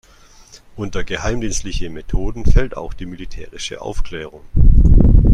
Unter geheimdienstliche Methoden fällt auch die militärische Aufklärung.